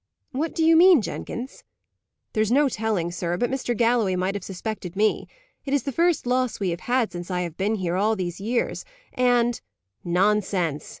"What do you mean, Jenkins?" "There's no telling, sir, but Mr. Galloway might have suspected me. It is the first loss we have had since I have been here, all these years; and " "Nonsense!"